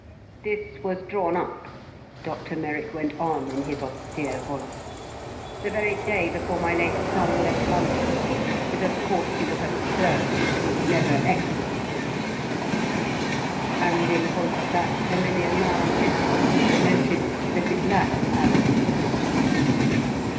"This was drawn up," Dr Merrick went on in his austere voice, "the very day before my late son left London. But, of course, you will have observed it was never executed." And in point of fact Herminia now listlessly noted that it lacked Alan's signature.